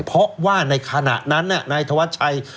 เพราะว่าในขณะนั้นนายธวัชชัย